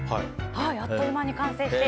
あっという間に完成して。